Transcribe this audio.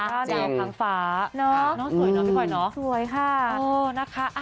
ดาวเด่นค้างฟ้าสวยพี่ปล่อยอย่างเนอะ